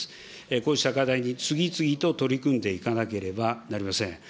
こうした課題に次々と取り組んでいかなければなりません。